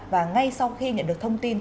và ngay sau khi nhận được thông tin